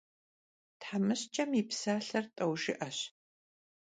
Themışç'em yi psalhe t'eu jjı'eş.